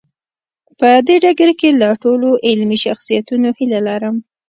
په دې ډګر کې له ټولو علمي شخصیتونو هیله لرم.